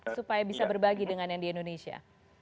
supaya bisa berbagi dengan yang di indonesia